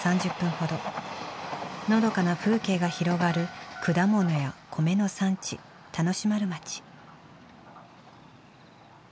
のどかな風景が広がる果物や米の産地田主丸町。